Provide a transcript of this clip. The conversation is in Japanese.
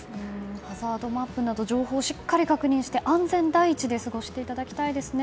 ハザードマップなど情報をしっかり確認して安全第一で過ごしていただきたいですね。